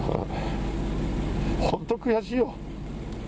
本当、悔しいよ。